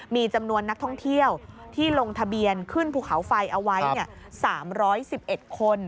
มีจำนวนนักท่องเที่ยวที่ลงทะเบียนขึ้นภูเขาไฟเอาไว้๓๑๑คน